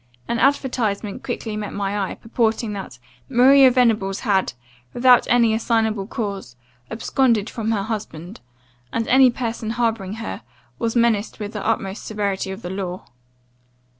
An advertisement quickly met my eye, purporting, that 'Maria Venables had, without any assignable cause, absconded from her husband; and any person harbouring her, was menaced with the utmost severity of the law.